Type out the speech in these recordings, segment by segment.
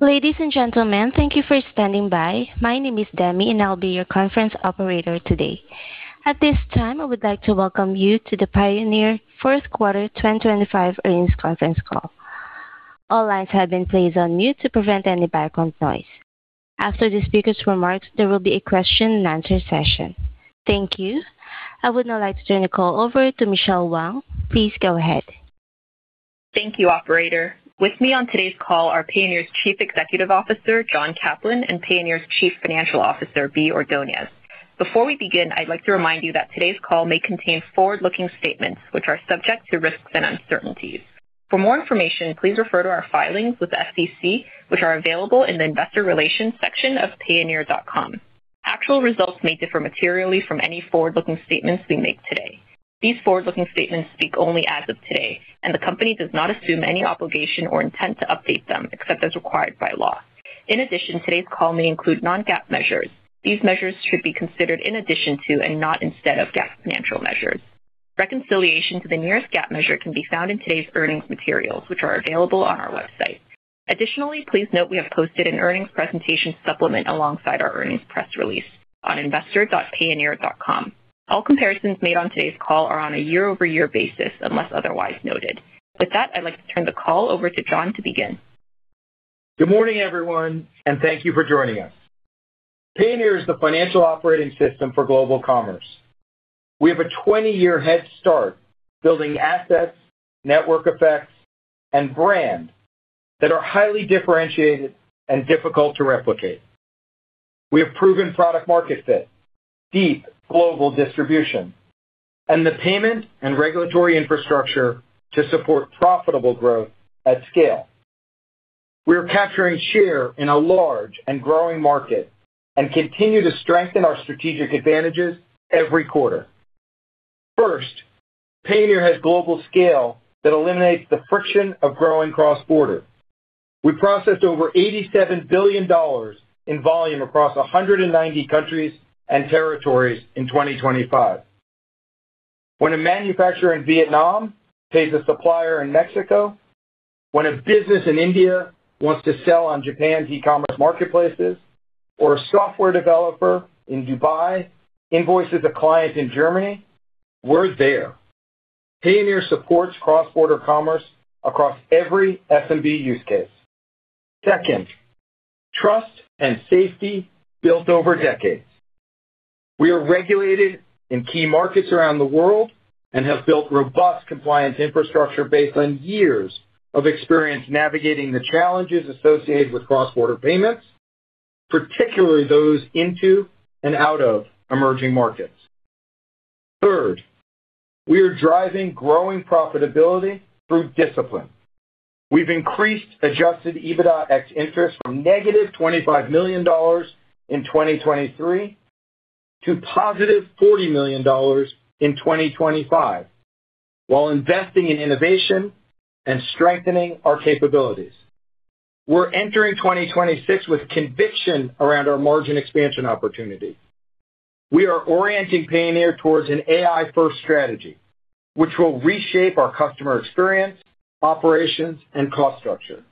Ladies and gentlemen, thank you for standing by. My name is Demi, and I'll be your conference operator today. At this time, I would like to welcome you to the Payoneer Q4 2025 Earnings Conference Call. All lines have been placed on mute to prevent any background noise. After the speaker's remarks, there will be a question-and-answer session. Thank you. I would now like to turn the call over to Michelle Wang. Please go ahead. Thank you, operator. With me on today's call are Payoneer's Chief Executive Officer, John Caplan, and Payoneer's Chief Financial Officer, Bea Ordonez. Before we begin, I'd like to remind you that today's call may contain forward-looking statements, which are subject to risks and uncertainties. For more information, please refer to our filings with the SEC, which are available in the Investor Relations section of payoneer.com. Actual results may differ materially from any forward-looking statements we make today. These forward-looking statements speak only as of today. The company does not assume any obligation or intent to update them, except as required by law. In addition, today's call may include non-GAAP measures. These measures should be considered in addition to, and not instead of, GAAP financial measures. Reconciliation to the nearest GAAP measure can be found in today's earnings materials, which are available on our website. Additionally, please note we have posted an earnings presentation supplement alongside our earnings press release on investor.payoneer.com. All comparisons made on today's call are on a year-over-year basis, unless otherwise noted. With that, I'd like to turn the call over to John to begin. Good morning, everyone, and thank you for joining us. Payoneer is the financial operating system for global commerce. We have a 20-year head start building assets, network effects, and brand that are highly differentiated and difficult to replicate. We have proven product market fit, deep global distribution, and the payment and regulatory infrastructure to support profitable growth at scale. We are capturing share in a large and growing market and continue to strengthen our strategic advantages every quarter. First, Payoneer has global scale that eliminates the friction of growing cross-border. We processed over $87 billion in volume across 190 countries and territories in 2025. When a manufacturer in Vietnam pays a supplier in Mexico, when a business in India wants to sell on Japan's e-commerce marketplaces, or a software developer in Dubai invoices a client in Germany, we're there. Payoneer supports cross-border commerce across every SMB use case. Second, trust and safety built over decades. We are regulated in key markets around the world and have built robust compliance infrastructure based on years of experience navigating the challenges associated with cross-border payments, particularly those into and out of emerging markets. Third, we are driving growing profitability through discipline. We've increased Adjusted EBITDA ex-interest from negative $25 million in 2023 to positive $40 million in 2025, while investing in innovation and strengthening our capabilities. We're entering 2026 with conviction around our margin expansion opportunity. We are orienting Payoneer towards an AI-first strategy, which will reshape our customer experience, operations, and cost structure.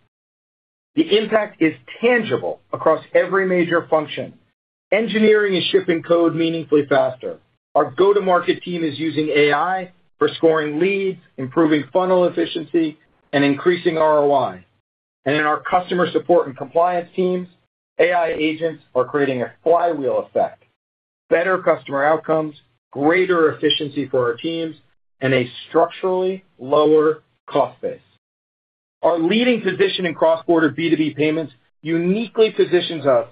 The impact is tangible across every major function. Engineering is shipping code meaningfully faster. Our go-to-market team is using AI for scoring leads, improving funnel efficiency, and increasing ROI. In our customer support and compliance teams, AI agents are creating a flywheel effect, better customer outcomes, greater efficiency for our teams, and a structurally lower cost base. Our leading position in cross-border B2B payments uniquely positions us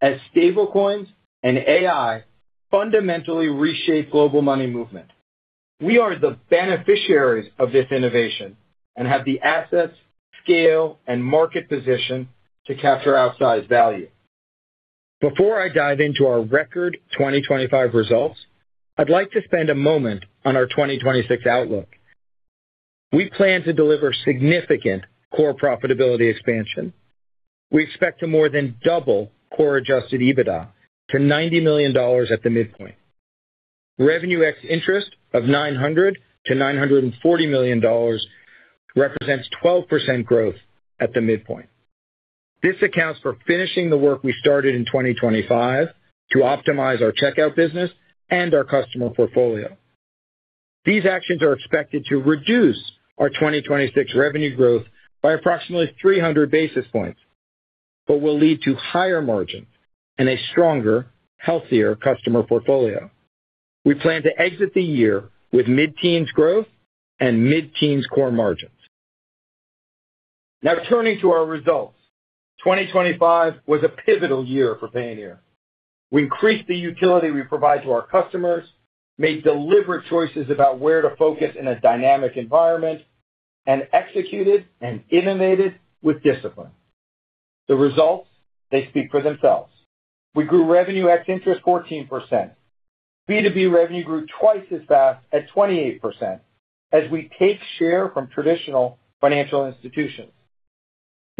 as stablecoins and AI fundamentally reshape global money movement. We are the beneficiaries of this innovation and have the assets, scale, and market position to capture outsized value. Before I dive into our record 2025 results, I'd like to spend a moment on our 2026 outlook. We plan to deliver significant core profitability expansion. We expect to more than double core Adjusted EBITDA to $90 million at the midpoint. Revenue ex-interest of $900 million-$940 million represents 12% growth at the midpoint. This accounts for finishing the work we started in 2025 to optimize our checkout business and our customer portfolio. These actions are expected to reduce our 2026 revenue growth by approximately 300 basis points, but will lead to higher margin and a stronger, healthier customer portfolio. We plan to exit the year with mid-teens growth and mid-teens core margins. Now turning to our results. 2025 was a pivotal year for Payoneer. We increased the utility we provide to our customers, made deliberate choices about where to focus in a dynamic environment, and executed and innovated with discipline. The results, they speak for themselves. We grew revenue ex-interest 14%. B2B revenue grew twice as fast at 28% as we take share from traditional financial institutions.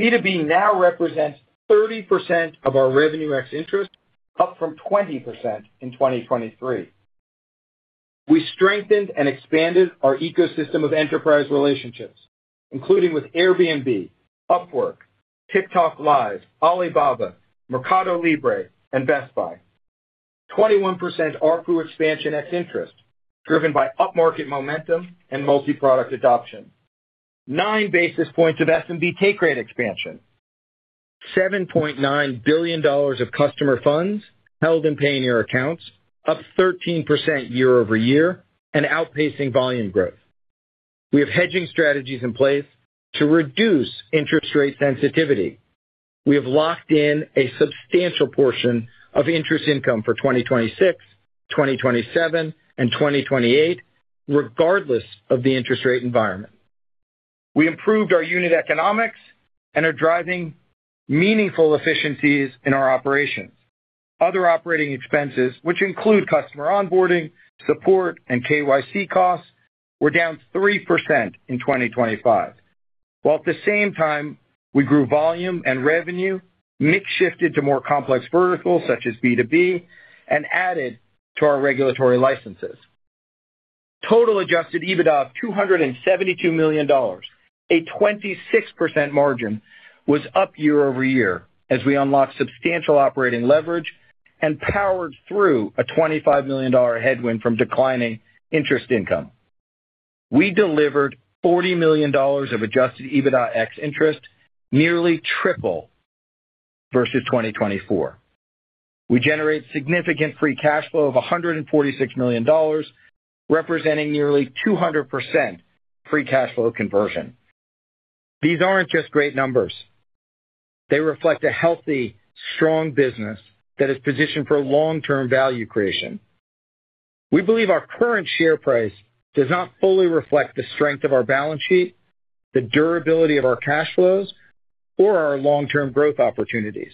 B2B now represents 30% of our revenue ex-interest, up from 20% in 2023.... We strengthened and expanded our ecosystem of enterprise relationships, including with Airbnb, Upwork, TikTok LIVE, Alibaba, MercadoLibre, and Best Buy. 21% ARPU expansion ex-interest, driven by upmarket momentum and multi-product adoption. 9 basis points of SMB take rate expansion. $7.9 billion of customer funds held in Payoneer accounts, up 13% year-over-year and outpacing volume growth. We have hedging strategies in place to reduce interest rate sensitivity. We have locked in a substantial portion of interest income for 2026, 2027, and 2028, regardless of the interest rate environment. We improved our unit economics and are driving meaningful efficiencies in our operations. Other operating expenses, which include customer onboarding, support, and KYC costs, were down 3% in 2025, while at the same time, we grew volume and revenue, mix shifted to more complex verticals such as B2B, and added to our regulatory licenses. Total Adjusted EBITDA of $272 million, a 26% margin, was up year-over-year as we unlocked substantial operating leverage and powered through a $25 million headwind from declining interest income. We delivered $40 million of Adjusted EBITDA ex-interest, nearly triple versus 2024. We generated significant free cash flow of $146 million, representing nearly 200% free cash flow conversion. These aren't just great numbers. They reflect a healthy, strong business that is positioned for long-term value creation. We believe our current share price does not fully reflect the strength of our balance sheet, the durability of our cash flows, or our long-term growth opportunities,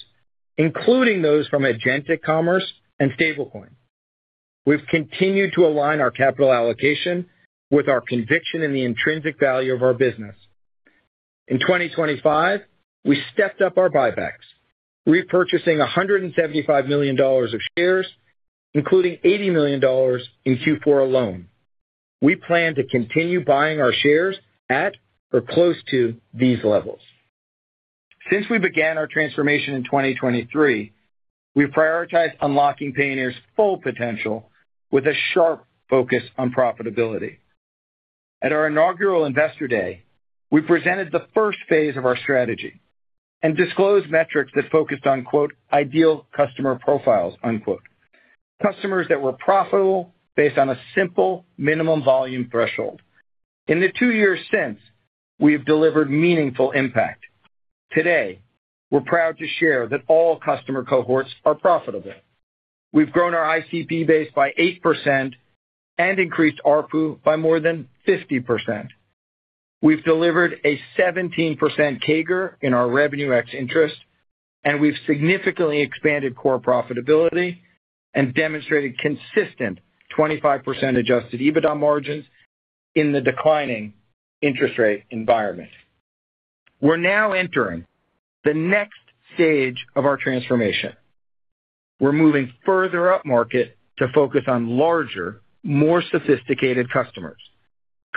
including those from agentic commerce and stablecoin. We've continued to align our capital allocation with our conviction in the intrinsic value of our business. In 2025, we stepped up our buybacks, repurchasing $175 million of shares, including $80 million in Q4 alone. We plan to continue buying our shares at or close to these levels. Since we began our transformation in 2023, we've prioritized unlocking Payoneer's full potential with a sharp focus on profitability. At our inaugural Investor Day, we presented the first phase of our strategy and disclosed metrics that focused on, quote, Ideal Customer Profiles, unquote. Customers that were profitable based on a simple minimum volume threshold. In the two years since, we have delivered meaningful impact. Today, we're proud to share that all customer cohorts are profitable. We've grown our ICP base by 8% and increased ARPU by more than 50%. We've delivered a 17% CAGR in our revenue ex-interest, and we've significantly expanded core profitability and demonstrated consistent 25% Adjusted EBITDA margins in the declining interest rate environment. We're now entering the next stage of our transformation. We're moving further upmarket to focus on larger, more sophisticated customers.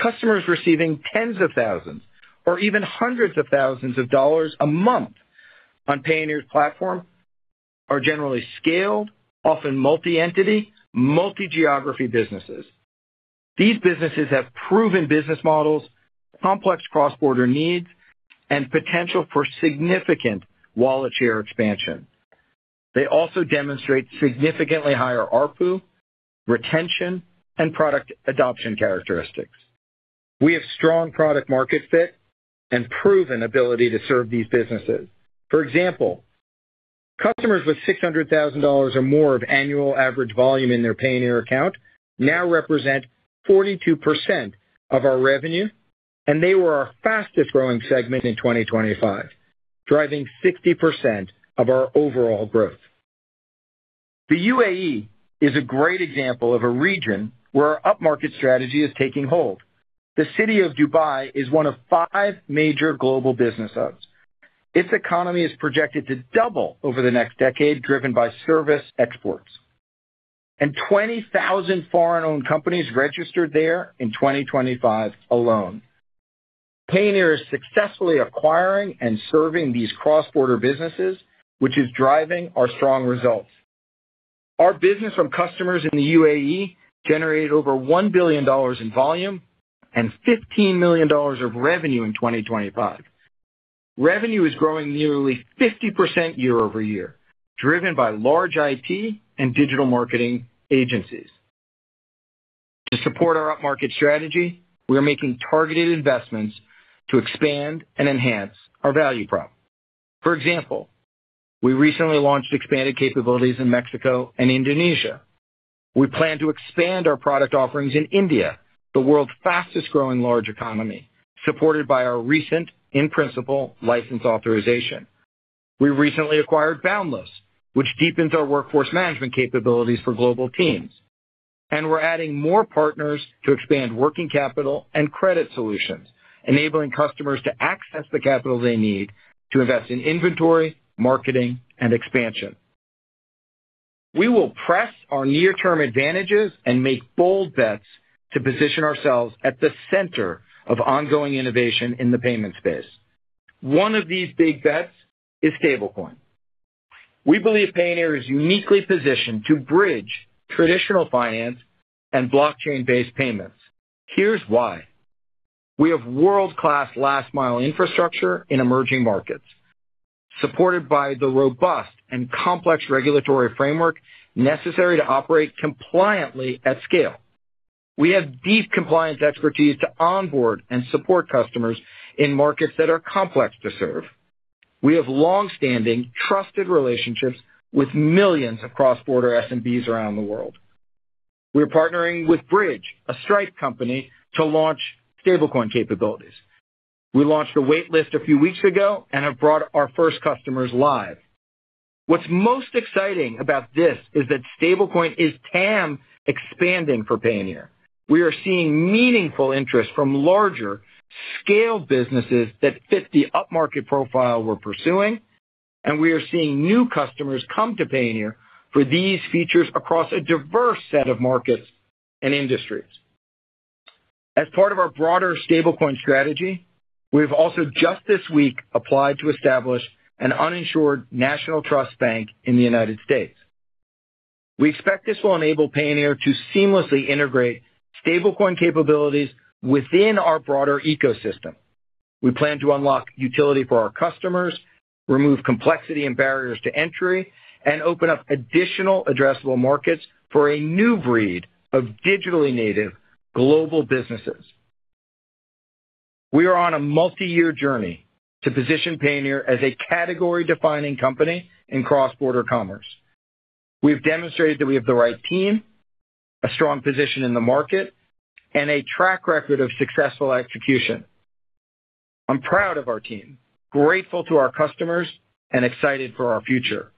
Customers receiving tens of thousands or even hundreds of thousands of dollars a month on Payoneer's platform are generally scaled, often multi-entity, multi-geography businesses. These businesses have proven business models, complex cross-border needs, and potential for significant wallet share expansion. They also demonstrate significantly higher ARPU, retention, and product adoption characteristics. We have strong product-market fit and proven ability to serve these businesses. For example, customers with $600,000 or more of annual average volume in their Payoneer account now represent 42% of our revenue, and they were our fastest-growing segment in 2025, driving 60% of our overall growth. The UAE is a great example of a region where our upmarket strategy is taking hold. The city of Dubai is one of five major global business hubs. Its economy is projected to double over the next decade, driven by service exports, and 20,000 foreign-owned companies registered there in 2025 alone. Payoneer is successfully acquiring and serving these cross-border businesses, which is driving our strong results. Our business from customers in the UAE generated over $1 billion in volume and $15 million of revenue in 2025. Revenue is growing nearly 50% year-over-year, driven by large IT and digital marketing agencies. To support our upmarket strategy, we are making targeted investments to expand and enhance our value prop. For example, we recently launched expanded capabilities in Mexico and Indonesia. We plan to expand our product offerings in India, the world's fastest-growing large economy, supported by our recent in-principle license authorization. We recently acquired Boundless, which deepens our workforce management capabilities for global teams, and we're adding more partners to expand working capital and credit solutions, enabling customers to access the capital they need to invest in inventory, marketing, and expansion. We will press our near-term advantages and make bold bets to position ourselves at the center of ongoing innovation in the payment space. One of these big bets is Stablecoin. We believe Payoneer is uniquely positioned to bridge traditional finance and blockchain-based payments. Here's why. We have world-class last-mile infrastructure in emerging markets, supported by the robust and complex regulatory framework necessary to operate compliantly at scale. We have deep compliance expertise to onboard and support customers in markets that are complex to serve. We have long-standing, trusted relationships with millions of cross-border SMBs around the world. We're partnering with Bridge, a Stripe company, to launch stablecoin capabilities. We launched a wait list a few weeks ago and have brought our first customers live. What's most exciting about this is that stablecoin is TAM expanding for Payoneer. We are seeing meaningful interest from larger scale businesses that fit the upmarket profile we're pursuing, and we are seeing new customers come to Payoneer for these features across a diverse set of markets and industries. As part of our broader stablecoin strategy, we've also just this week applied to establish an uninsured national trust bank in the United States. We expect this will enable Payoneer to seamlessly integrate stablecoin capabilities within our broader ecosystem. We plan to unlock utility for our customers, remove complexity and barriers to entry, and open up additional addressable markets for a new breed of digitally native global businesses. We are on a multiyear journey to position Payoneer as a category-defining company in cross-border commerce. We've demonstrated that we have the right team, a strong position in the market, and a track record of successful execution. I'm proud of our team, grateful to our customers, and excited for our future.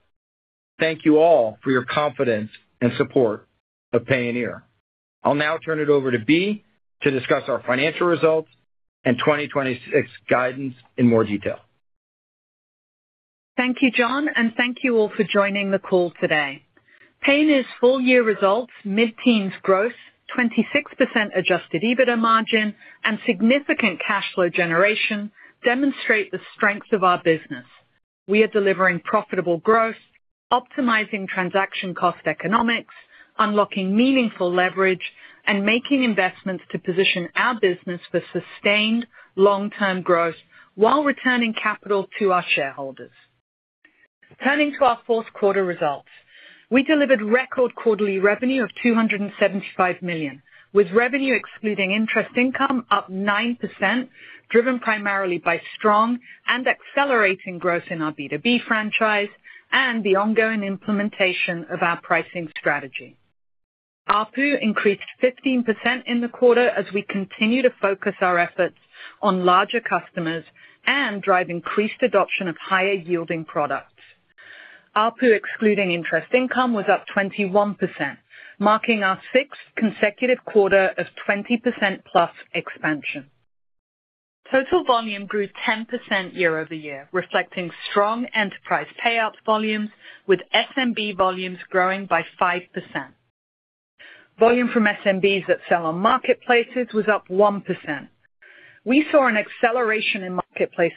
Thank you all for your confidence and support of Payoneer. I'll now turn it over to Bea to discuss our financial results and 2026 guidance in more detail. Thank you, John, thank you all for joining the call today. Payoneer's full-year results, mid-teens growth, 26% Adjusted EBITDA margin, and significant cash flow generation demonstrate the strength of our business. We are delivering profitable growth, optimizing transaction cost economics, unlocking meaningful leverage, and making investments to position our business for sustained long-term growth while returning capital to our shareholders. Turning to our Q4 results. We delivered record quarterly revenue of $275 million, with revenue excluding interest income up 9%, driven primarily by strong and accelerating growth in our B2B franchise and the ongoing implementation of our pricing strategy. ARPU increased 15% in the quarter as we continue to focus our efforts on larger customers and drive increased adoption of higher-yielding products. ARPU, excluding interest income, was up 21%, marking our sixth consecutive quarter of 20%-plus expansion. Total volume grew 10% year-over-year, reflecting strong enterprise payout volumes, with SMB volumes growing by 5%. Volume from SMBs that sell on marketplaces was up 1%. We saw an acceleration in marketplace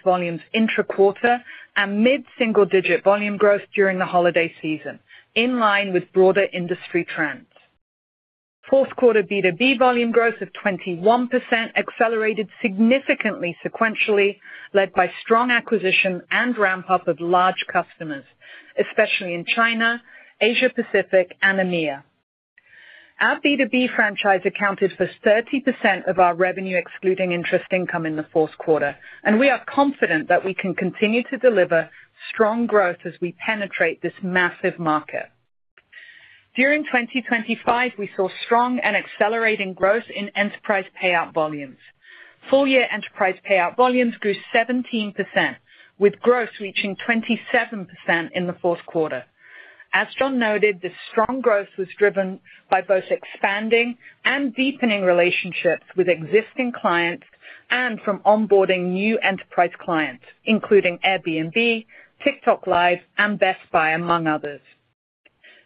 volumes intra-quarter and mid-single-digit volume growth during the holiday season, in line with broader industry trends. Q4 B2B volume growth of 21% accelerated significantly sequentially, led by strong acquisition and ramp-up of large customers, especially in China, Asia Pacific, and EMEA. Our B2B franchise accounted for 30% of our revenue, excluding interest income in the Q4, and we are confident that we can continue to deliver strong growth as we penetrate this massive market. During 2025, we saw strong and accelerating growth in enterprise payout volumes. Full-year enterprise payout volumes grew 17%, with growth reaching 27% in the Q4. As John noted, this strong growth was driven by both expanding and deepening relationships with existing clients and from onboarding new enterprise clients, including Airbnb, TikTok LIVE, and Best Buy, among others.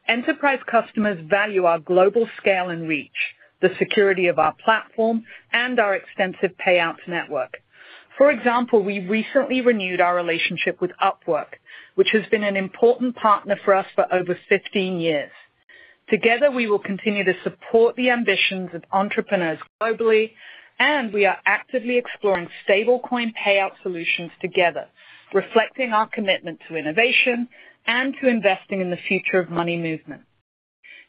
Enterprise customers value our global scale and reach, the security of our platform, and our extensive payouts network. For example, we recently renewed our relationship with Upwork, which has been an important partner for us for over 15 years. Together, we will continue to support the ambitions of entrepreneurs globally, and we are actively exploring stablecoin payout solutions together, reflecting our commitment to innovation and to investing in the future of money movement.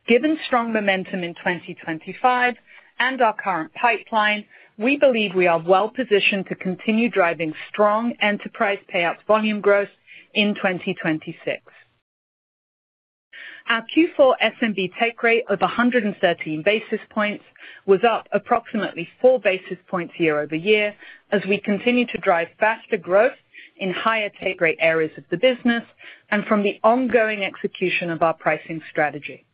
Given strong momentum in 2025 and our current pipeline, we believe we are well-positioned to continue driving strong enterprise payouts volume growth in 2026. Our Q4 SMB take rate of 113 basis points was up approximately 4 basis points year-over-year as we continue to drive faster growth in higher take rate areas of the business and from the ongoing execution of our pricing strategy.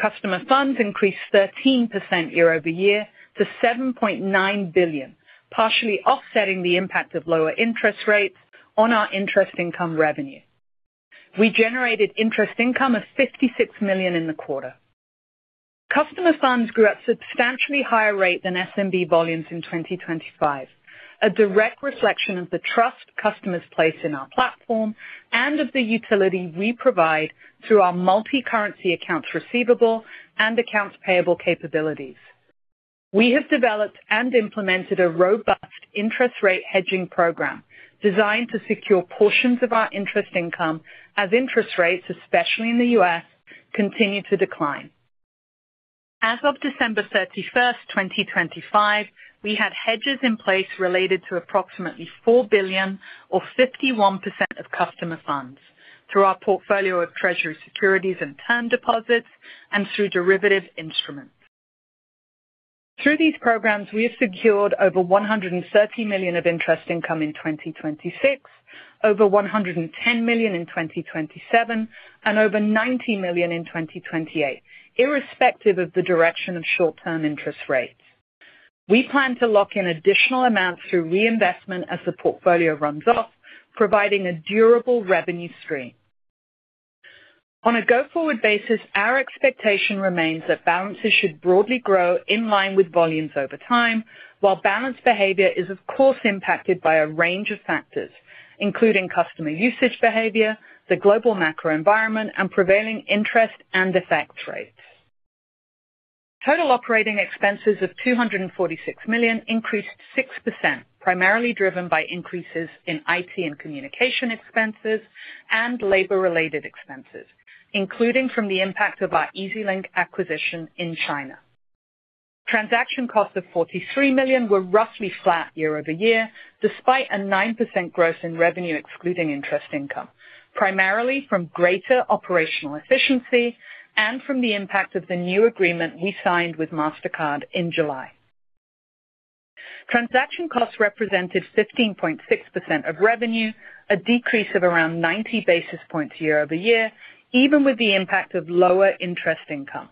Customer funds increased 13% year-over-year to $7.9 billion, partially offsetting the impact of lower interest rates on our interest income revenue. We generated interest income of $56 million in the quarter. Customer funds grew at a substantially higher rate than SMB volumes in 2025, a direct reflection of the trust customers place in our platform and of the utility we provide through our multi-currency accounts receivable and accounts payable capabilities. We have developed and implemented a robust interest rate hedging program designed to secure portions of our interest income as interest rates, especially in the U.S., continue to decline. As of December 31, 2025, we had hedges in place related to approximately $4 billion or 51% of customer funds through our portfolio of Treasury securities and term deposits and through derivative instruments. Through these programs, we have secured over $130 million of interest income in 2026, over $110 million in 2027, and over $90 million in 2028, irrespective of the direction of short-term interest rates. We plan to lock in additional amounts through reinvestment as the portfolio runs off, providing a durable revenue stream. On a go-forward basis, our expectation remains that balances should broadly grow in line with volumes over time, while balance behavior is of course impacted by a range of factors, including customer usage behavior, the global macro environment, and prevailing interest and effect rates. Total operating expenses of $246 million increased 6%, primarily driven by increases in IT and communication expenses and labor-related expenses, including from the impact of our EasyLink acquisition in China. Transaction costs of $43 million were roughly flat year-over-year, despite a 9% growth in revenue excluding interest income, primarily from greater operational efficiency and from the impact of the new agreement we signed with Mastercard in July. Transaction costs represented 15.6% of revenue, a decrease of around 90 basis points year-over-year, even with the impact of lower interest income.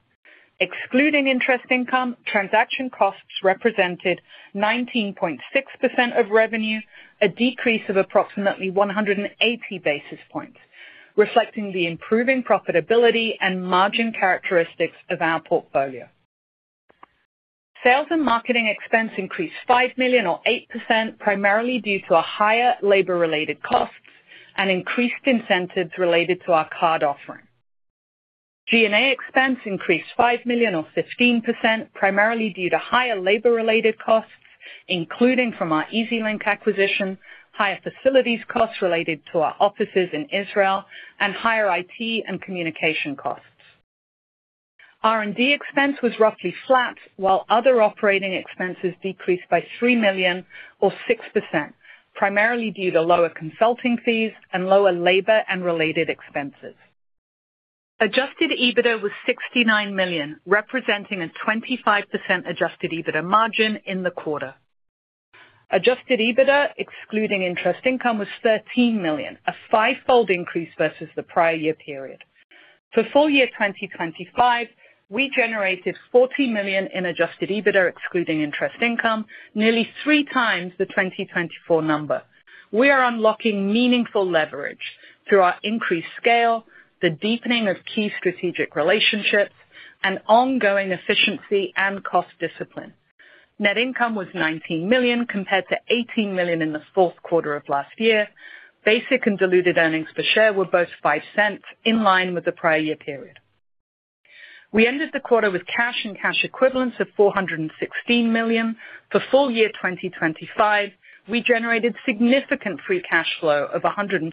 Excluding interest income, transaction costs represented 19.6% of revenue, a decrease of approximately 180 basis points, reflecting the improving profitability and margin characteristics of our portfolio. Sales and marketing expense increased $5 million, or 8%, primarily due to a higher labor-related cost and increased incentives related to our card offering. G&A expense increased $5 million or 15%, primarily due to higher labor-related costs, including from our EasyLink acquisition, higher facilities costs related to our offices in Israel, and higher IT and communication costs. R&D expense was roughly flat, while other operating expenses decreased by $3 million or 6%, primarily due to lower consulting fees and lower labor and related expenses. Adjusted EBITDA was $69 million, representing a 25% Adjusted EBITDA margin in the quarter. Adjusted EBITDA, excluding interest income, was $13 million, a five-fold increase versus the prior year period. For full year 2025, we generated $40 million in Adjusted EBITDA, excluding interest income, nearly 3 times the 2024 number. We are unlocking meaningful leverage through our increased scale, the deepening of key strategic relationships, and ongoing efficiency and cost discipline. Net income was $19 million, compared to $18 million in the Q4 of last year. Basic and diluted earnings per share were both $0.05, in line with the prior year period. We ended the quarter with cash and cash equivalents of $416 million. For full year 2025, we generated significant free cash flow of $146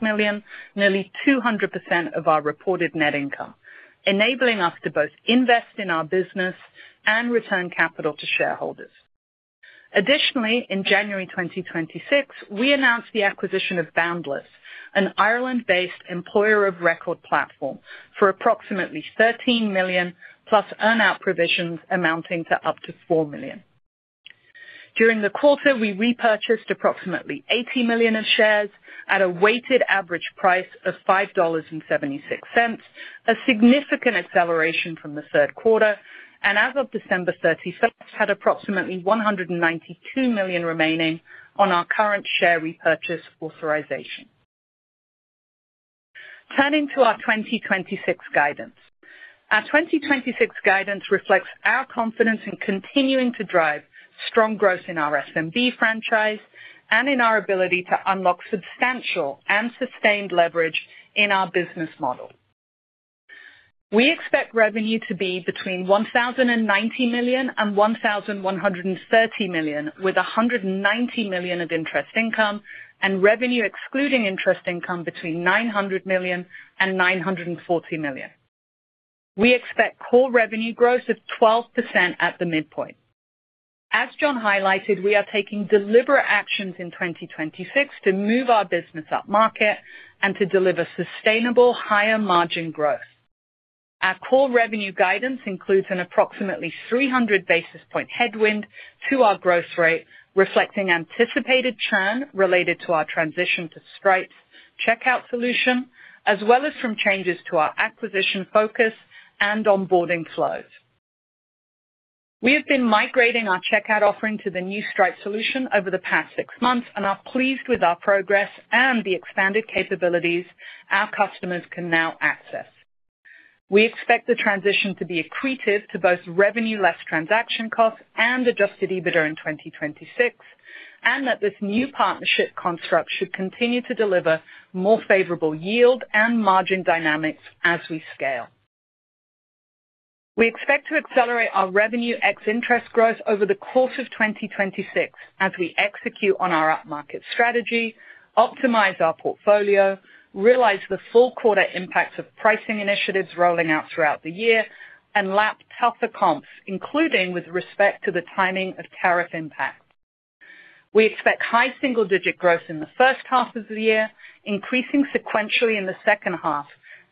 million, nearly 200% of our reported net income, enabling us to both invest in our business and return capital to shareholders. In January 2026, we announced the acquisition of Boundless, an Ireland-based employer of record platform, for approximately $13 million, plus earn-out provisions amounting to up to $4 million. During the quarter, we repurchased approximately $80 million of shares at a weighted average price of $5.76, a significant acceleration from the Q3. As of December 31st, had approximately $192 million remaining on our current share repurchase authorization. Turning to our 2026 guidance. Our 2026 guidance reflects our confidence in continuing to drive strong growth in our SMB franchise and in our ability to unlock substantial and sustained leverage in our business model. We expect revenue to be between $1,090 million and $1,130 million, with $190 million of interest income and revenue excluding interest income between $900 million and $940 million. We expect core revenue growth of 12% at the midpoint. As John highlighted, we are taking deliberate actions in 2026 to move our business upmarket and to deliver sustainable higher margin growth. Our core revenue guidance includes an approximately 300 basis point headwind to our growth rate, reflecting anticipated churn related to our transition to Stripe's checkout solution, as well as from changes to our acquisition focus and onboarding flows. We have been migrating our checkout offering to the new Stripe solution over the past six months and are pleased with our progress and the expanded capabilities our customers can now access. We expect the transition to be accretive to both revenue, less transaction costs and Adjusted EBITDA in 2026, and that this new partnership construct should continue to deliver more favorable yield and margin dynamics as we scale. We expect to accelerate our revenue ex interest growth over the course of 2026 as we execute on our upmarket strategy, optimize our portfolio, realize the full quarter impact of pricing initiatives rolling out throughout the year, and lap tougher comps, including with respect to the timing of tariff impact. We expect high single-digit growth in the first half of the year, increasing sequentially in the second half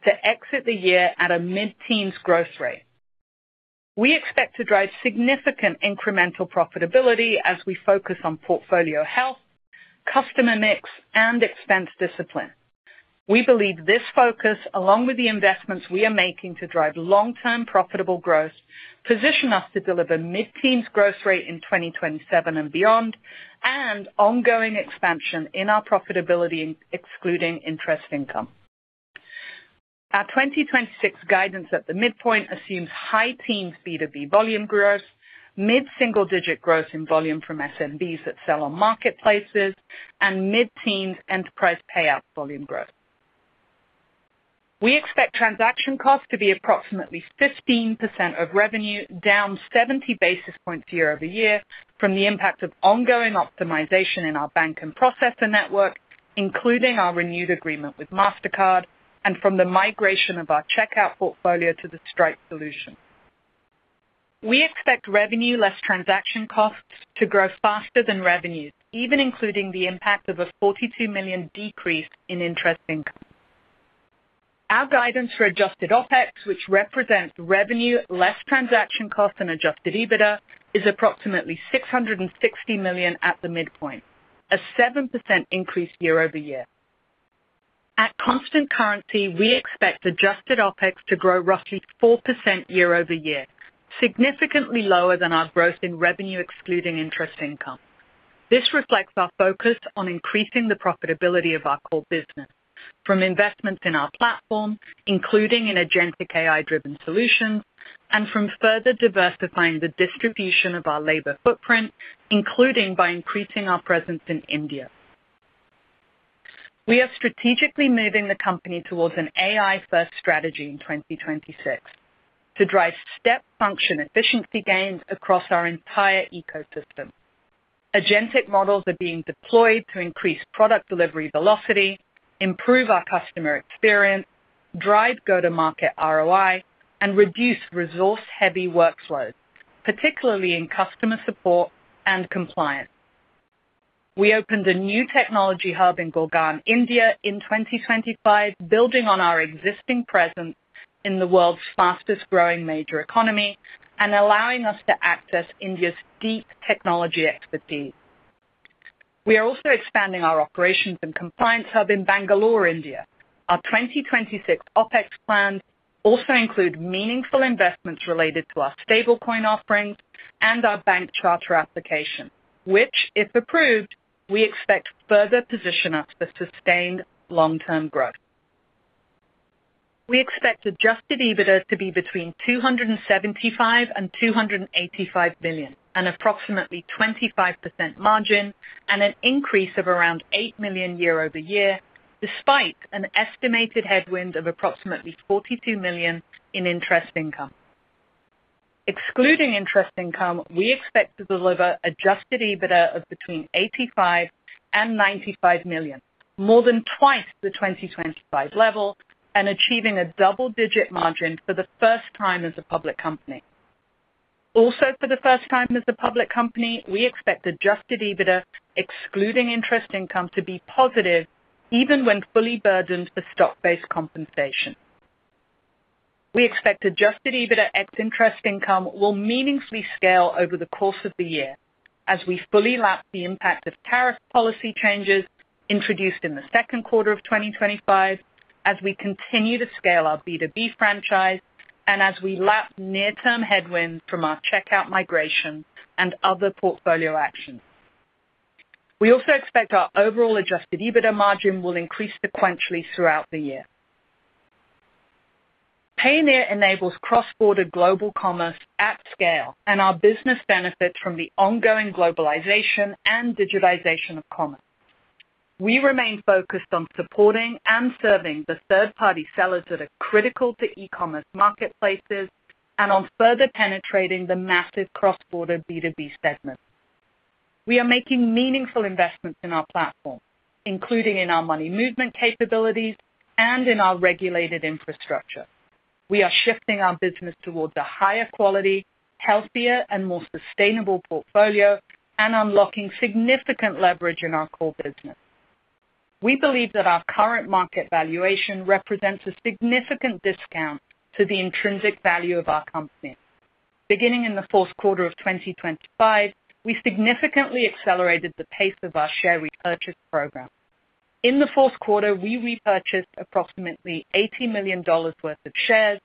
to exit the year at a mid-teens growth rate. We expect to drive significant incremental profitability as we focus on portfolio health, customer mix, and expense discipline. We believe this focus, along with the investments we are making to drive long-term profitable growth, position us to deliver mid-teens growth rate in 2027 and beyond, and ongoing expansion in our profitability, excluding interest income. Our 2026 guidance at the midpoint assumes high teens B2B volume growth, mid-single-digit growth in volume from SMBs that sell on marketplaces, and mid-teens enterprise payout volume growth. We expect transaction costs to be approximately 15% of revenue, down 70 basis points year-over-year from the impact of ongoing optimization in our bank and processor network, including our renewed agreement with Mastercard and from the migration of our checkout portfolio to the Stripe solution. We expect revenue, less transaction costs, to grow faster than revenues, even including the impact of a $42 million decrease in interest income. Our guidance for adjusted OpEx, which represents revenue less transaction costs and adjusted EBITDA, is approximately $660 million at the midpoint, a 7% increase year-over-year. At constant currency, we expect Adjusted OpEx to grow roughly 4% year-over-year, significantly lower than our growth in revenue, excluding interest income. This reflects our focus on increasing the profitability of our core business from investments in our platform, including in agentic AI-driven solutions, and from further diversifying the distribution of our labor footprint, including by increasing our presence in India. We are strategically moving the company towards an AI-first strategy in 2026 to drive step function efficiency gains across our entire ecosystem. Agentic models are being deployed to increase product delivery velocity, improve our customer experience, drive go-to-market ROI, and reduce resource-heavy workflows, particularly in customer support and compliance. We opened a new technology hub in Gurgaon, India, in 2025, building on our existing presence in the world's fastest-growing major economy and allowing us to access India's deep technology expertise. We are also expanding our operations and compliance hub in Bangalore, India. Our 2026 OpEx plans also include meaningful investments related to our stablecoin offerings and our bank charter application, which, if approved, we expect further position us for sustained long-term growth. We expect Adjusted EBITDA to be between $275 million and $285 million, an approximately 25% margin and an increase of around $8 million year-over-year, despite an estimated headwind of approximately $42 million in interest income. Excluding interest income, we expect to deliver Adjusted EBITDA of between $85 million and $95 million, more than twice the 2025 level, and achieving a double-digit margin for the first time as a public company. Also, for the first time as a public company, we expect Adjusted EBITDA, excluding interest income, to be positive even when fully burdened with stock-based compensation. We expect Adjusted EBITDA ex-interest income will meaningfully scale over the course of the year as we fully lap the impact of tariff policy changes introduced in the Q2 of 2025, as we continue to scale our B2B franchise, and as we lap near-term headwinds from our checkout migration and other portfolio actions. We expect our overall Adjusted EBITDA margin will increase sequentially throughout the year. Payoneer enables cross-border global commerce at scale, and our business benefits from the ongoing globalization and digitization of commerce. We remain focused on supporting and serving the third-party sellers that are critical to e-commerce marketplaces and on further penetrating the massive cross-border B2B segment. We are making meaningful investments in our platform, including in our money movement capabilities and in our regulated infrastructure. We are shifting our business towards a higher quality, healthier, and more sustainable portfolio and unlocking significant leverage in our core business. We believe that our current market valuation represents a significant discount to the intrinsic value of our company. Beginning in the Q4 of 2025, we significantly accelerated the pace of our share repurchase program. In the Q4, we repurchased approximately $80 million worth of shares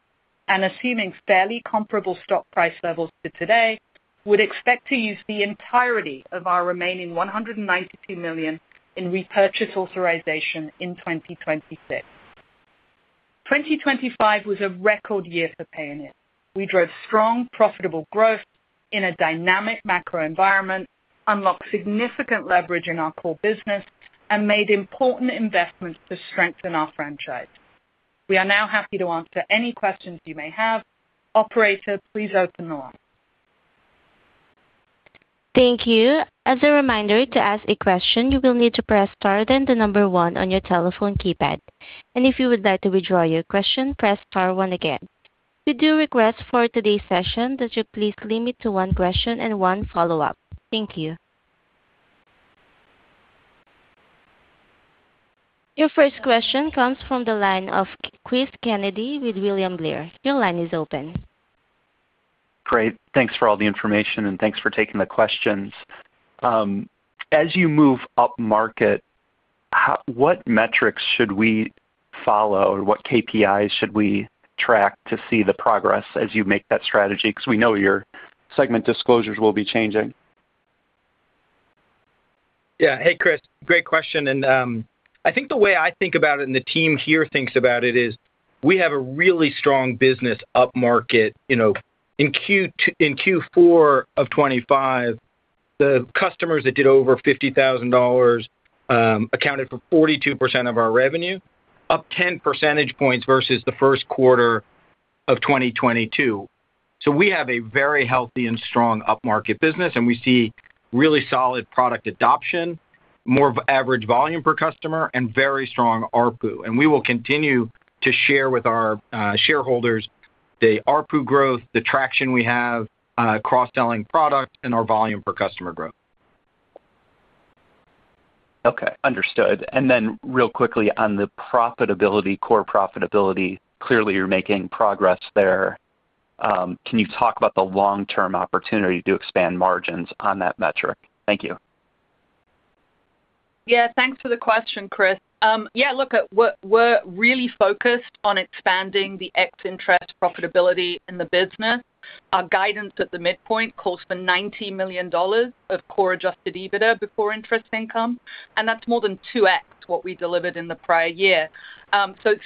and, assuming fairly comparable stock price levels to today, would expect to use the entirety of our remaining $192 million in repurchase authorization in 2026. 2025 was a record year for Payoneer. We drove strong, profitable growth in a dynamic macro environment, unlocked significant leverage in our core business, and made important investments to strengthen our franchise. We are now happy to answer any questions you may have. Operator, please open the line. Thank you. As a reminder, to ask a question, you will need to press Star, then the number one on your telephone keypad. If you would like to withdraw your question, press Star one again. We do request for today's session that you please limit to one question and one follow-up. Thank you. Your first question comes from the line of Christopher Kennedy with William Blair. Your line is open. Great. Thanks for all the information. Thanks for taking the questions. As you move upmarket, what metrics should we follow, or what KPIs should we track to see the progress as you make that strategy? We know your segment disclosures will be changing. Yeah. Hey, Chris, great question, and I think the way I think about it and the team here thinks about it is we have a really strong business upmarket. You know, in Q4 of 2025, the customers that did over $50,000 accounted for 42% of our revenue, up 10 percentage points versus the Q1 of 2022. We have a very healthy and strong upmarket business, and we see really solid product adoption, more of average volume per customer, and very strong ARPU. We will continue to share with our shareholders the ARPU growth, the traction we have, cross-selling products, and our volume per customer growth. Okay, understood. real quickly on the profitability, core profitability. Clearly, you're making progress there. can you talk about the long-term opportunity to expand margins on that metric? Thank you. Thanks for the question, Chris. We're really focused on expanding the ex interest profitability in the business. Our guidance at the midpoint calls for $90 million of core Adjusted EBITDA before interest income. That's more than 2x what we delivered in the prior year.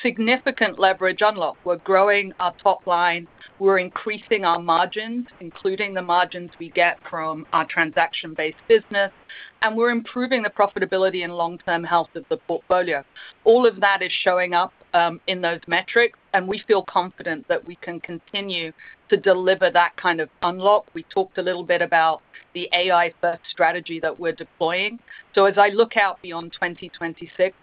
Significant leverage unlock. We're growing our top line, we're increasing our margins, including the margins we get from our transaction-based business. We're improving the profitability and long-term health of the portfolio. All of that is showing up in those metrics. We feel confident that we can continue to deliver that kind of unlock. We talked a little bit about the AI-first strategy that we're deploying. As I look out beyond 2026,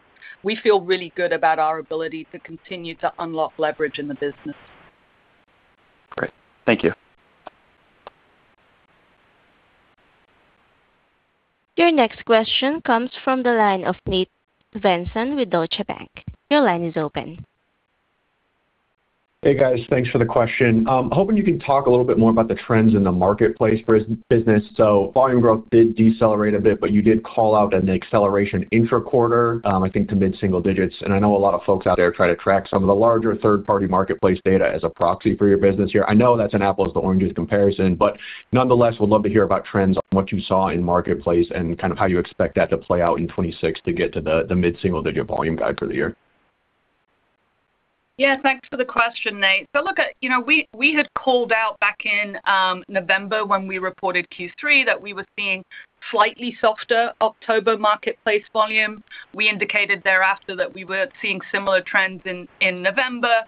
we feel really good about our ability to continue to unlock leverage in the business. Great. Thank you. Your next question comes from the line of Tien-tsin Huang with Deutsche Bank. Your line is open. Hey, guys. Thanks for the question. Hoping you can talk a little bit more about the trends in the marketplace business. Volume growth did decelerate a bit, but you did call out an acceleration intra-quarter, I think, to mid-single digits. I know a lot of folks out there try to track some of the larger third-party marketplace data as a proxy for your business here. I know that's an apples to oranges comparison, but nonetheless, would love to hear about trends on what you saw in marketplace and kind of how you expect that to play out in 2026 to get to the mid-single-digit volume guide for the year. Yeah, thanks for the question, Tien. look, you know, we had called out back in November when we reported Q3, that we were seeing slightly softer October marketplace volume. We indicated thereafter that we were seeing similar trends in November.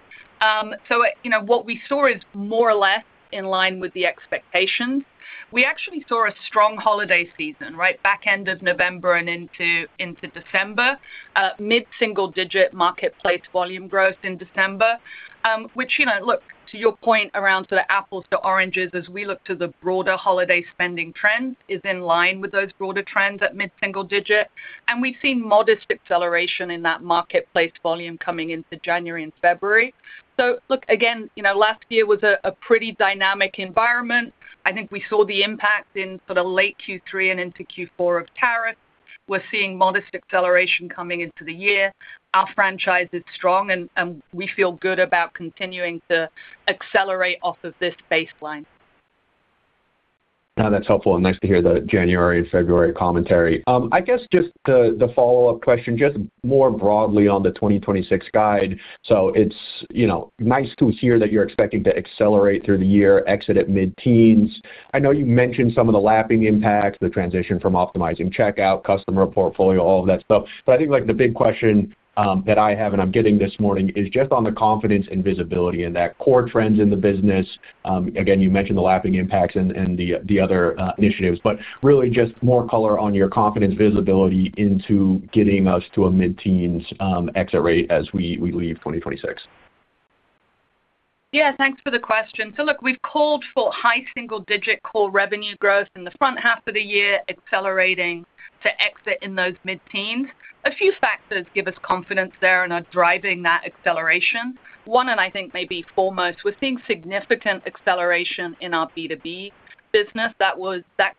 you know, what we saw is more or less in line with the expectations. We actually saw a strong holiday season, right, back end of November and into December. mid-single-digit marketplace volume growth in December, which, you know, look, to your point around sort of apples to oranges as we look to the broader holiday spending trends, is in line with those broader trends at mid-single digit. We've seen modest acceleration in that marketplace volume coming into January and February. look, again, you know, last year was a pretty dynamic environment. I think we saw the impact in sort of late Q3 and into Q4 of tariffs. We're seeing modest acceleration coming into the year. Our franchise is strong, and we feel good about continuing to accelerate off of this baseline. No, that's helpful and nice to hear the January and February commentary. I guess just the follow-up question, just more broadly on the 2026 guide. It's, you know, nice to hear that you're expecting to accelerate through the year, exit at mid-teens. I know you mentioned some of the lapping impacts, the transition from optimizing checkout, customer portfolio, all of that stuff. I think, like, the big question that I have, and I'm getting this morning, is just on the confidence and visibility in that core trends in the business. Again, you mentioned the lapping impacts and the other initiatives, but really just more color on your confidence visibility into getting us to a mid-teens exit rate as we leave 2026. Yeah, thanks for the question. Look, we've called for high single-digit core revenue growth in the front half of the year, accelerating to exit in those mid-teens. A few factors give us confidence there and are driving that acceleration. One, and I think maybe foremost, we're seeing significant acceleration in our B2B business. That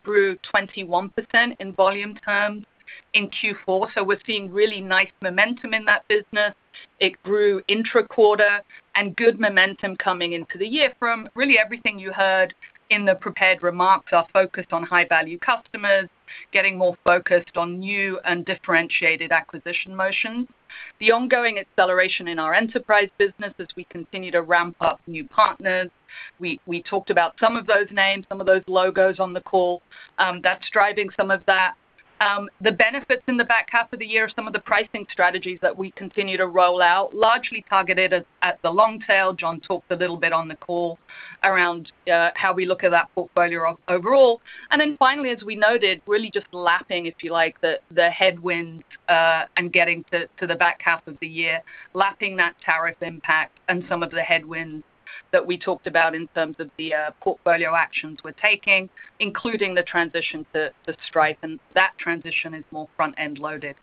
grew 21% in volume terms in Q4. We're seeing really nice momentum in that business. It grew intra-quarter and good momentum coming into the year from really everything you heard in the prepared remarks, are focused on high-value customers, getting more focused on new and differentiated acquisition motions. The ongoing acceleration in our enterprise business as we continue to ramp up new partners. We talked about some of those names, some of those logos on the call, that's driving some of that. The benefits in the back half of the year are some of the pricing strategies that we continue to roll out, largely targeted at the long tail. John talked a little bit on the call around how we look at that portfolio overall. Finally, as we noted, really just lapping, if you like, the headwinds, and getting to the back half of the year. Lapping that tariff impact and some of the headwinds that we talked about in terms of the portfolio actions we're taking, including the transition to Stripe, and that transition is more front-end loaded.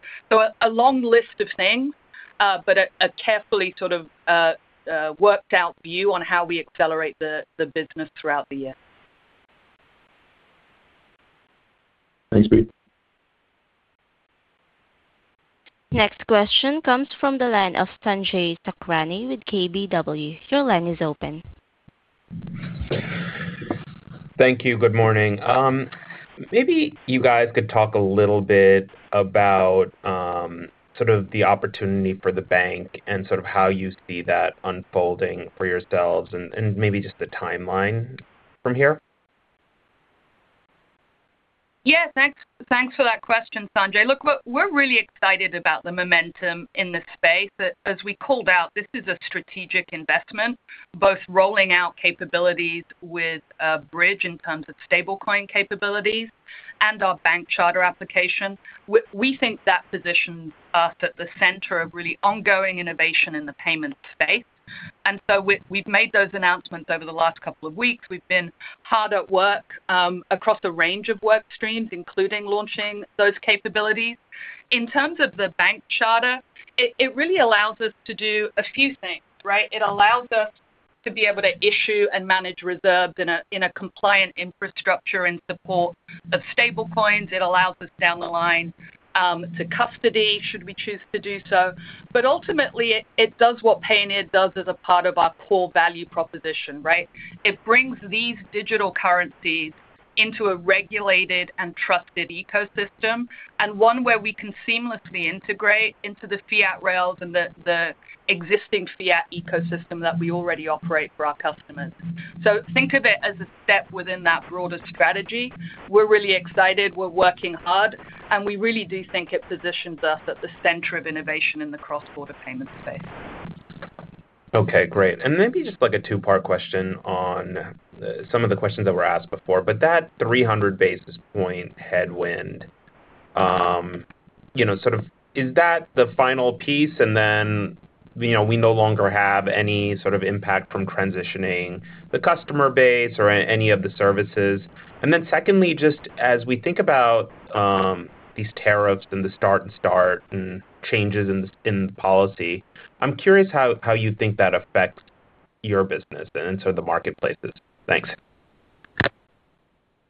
A long list of things, but a carefully sort of worked out view on how we accelerate the business throughout the year. Thanks, Bea. Next question comes from the line of Sanjay Sakhrani with KBW. Your line is open. Thank you. Good morning. Maybe you guys could talk a little bit about, sort of the opportunity for the bank and sort of how you see that unfolding for yourselves and maybe just the timeline from here? Yeah, thanks. Thanks for that question, Sanjay. Look, we're really excited about the momentum in this space. As we called out, this is a strategic investment, both rolling out capabilities with Bridge in terms of stablecoin capabilities and our bank charter application. We think that positions us at the center of really ongoing innovation in the payments space. we've made those announcements over the last couple of weeks. We've been hard at work across a range of work streams, including launching those capabilities. In terms of the bank charter, it really allows us to do a few things, right? It allows us to be able to issue and manage reserves in a compliant infrastructure in support of stablecoins. It allows us down the line to custody, should we choose to do so. Ultimately, it does what Payoneer does as a part of our core value proposition, right? It brings these digital currencies into a regulated and trusted ecosystem, and one where we can seamlessly integrate into the fiat rails and the existing fiat ecosystem that we already operate for our customers. Think of it as a step within that broader strategy. We're really excited, we're working hard, and we really do think it positions us at the center of innovation in the cross-border payment space. Okay, great. Maybe just like a two-part question on some of the questions that were asked before, but that 300 basis point headwind, you know, sort of is that the final piece? You know, we no longer have any sort of impact from transitioning the customer base or any of the services. Secondly, just as we think about these tariffs and the start and changes in the policy, I'm curious how you think that affects your business the marketplaces. Thanks.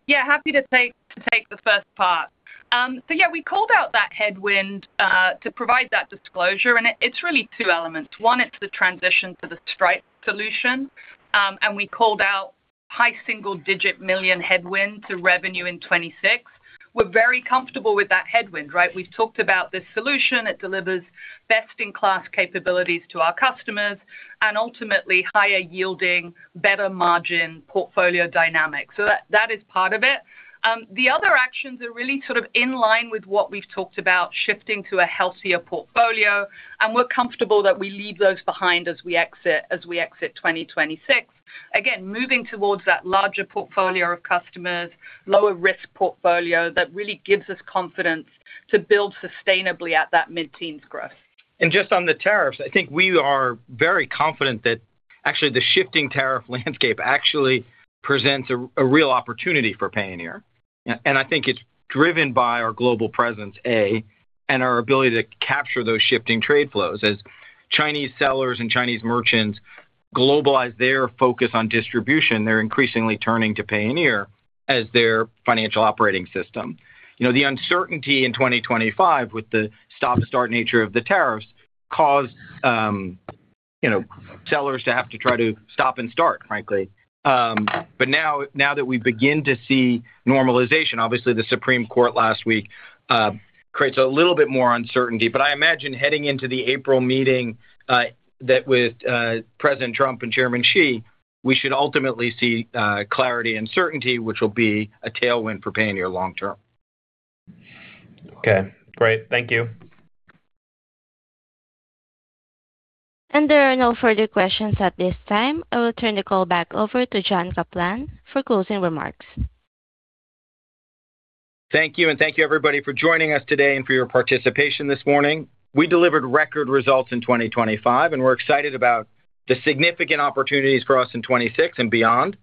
Yeah, happy to take the first part. Yeah, we called out that headwind to provide that disclosure, and it's really two elements. One, it's the transition to the Stripe solution, and we called out high single-digit million headwind to revenue in 2026. We're very comfortable with that headwind, right? We've talked about this solution. It delivers best-in-class capabilities to our customers and ultimately higher yielding, better margin portfolio dynamics. That is part of it. The other actions are really sort of in line with what we've talked about, shifting to a healthier portfolio, and we're comfortable that we leave those behind as we exit 2026. Again, moving towards that larger portfolio of customers, lower risk portfolio, that really gives us confidence to build sustainably at that mid-teens growth. Just on the tariffs, I think we are very confident that actually the shifting tariff landscape actually presents a real opportunity for Payoneer. I think it's driven by our global presence and our ability to capture those shifting trade flows. As Chinese sellers and Chinese merchants globalize their focus on distribution, they're increasingly turning to Payoneer as their financial operating system. You know, the uncertainty in 2025 with the stop-start nature of the tariffs caused, you know, sellers to have to try to stop and start, frankly. Now that we begin to see normalization, obviously the Supreme Court last week creates a little bit more uncertainty. I imagine heading into the April meeting that with President Trump and Chairman Xi, we should ultimately see clarity and certainty, which will be a tailwind for Payoneer long term. Okay, great. Thank you. There are no further questions at this time. I will turn the call back over to John Caplan for closing remarks. Thank you, thank you, everybody, for joining us today and for your participation this morning. We delivered record results in 2025, and we're excited about the significant opportunities for us in 2026 and beyond.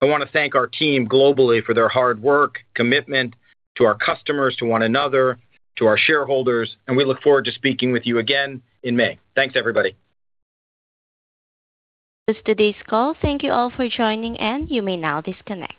I wanna thank our team globally for their hard work, commitment to our customers, to one another, to our shareholders, and we look forward to speaking with you again in May. Thanks, everybody. That's today's call. Thank you all for joining, and you may now disconnect.